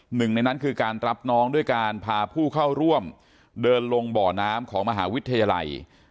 หนึ่งในนั้นคือการรับน้องด้วยการพาผู้เข้าร่วมเดินลงบ่อน้ำของมหาวิทยาลัย